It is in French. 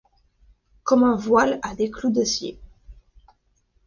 Comme un voile à des clous d'acier ;